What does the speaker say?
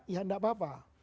ya enggak apa apa